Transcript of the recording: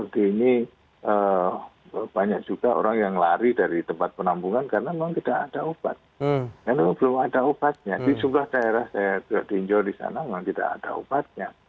di sumlah daerah saya sudah diinjau di sana memang tidak ada obatnya